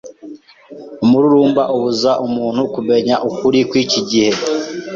Umururumba ubuza umuntu kumenya ukuri kw’iki gihe